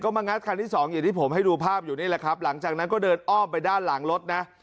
มางัดคันที่สองอย่างที่ผมให้ดูภาพอยู่นี่แหละครับหลังจากนั้นก็เดินอ้อมไปด้านหลังรถนะ